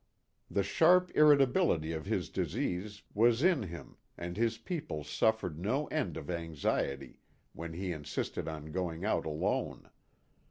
The sharp irritability of his disease was in him and his people suffered no end of anxiety when he insisted on going out alone.